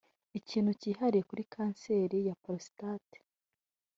Ikintu kihariye kuri kanseri ya porositate